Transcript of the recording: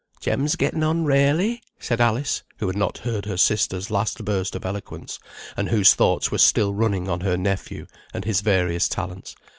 "Jem's getten on rarely," said Alice, who had not heard her sister's last burst of eloquence, and whose thoughts were still running on her nephew, and his various talents.